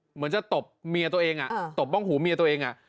เหมือนจะตบเมียตัวเองตบบ้องหูเมียตัวเอง